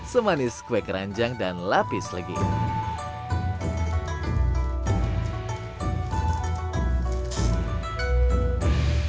semanis kue keranjang dan lapis legit